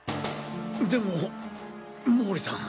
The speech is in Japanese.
でも毛利さん。